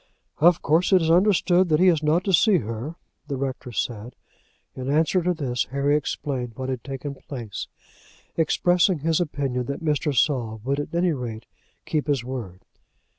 "Of course it is understood that he is not to see her?" the rector said. In answer to this, Harry explained what had taken place, expressing his opinion that Mr. Saul would, at any rate, keep his word.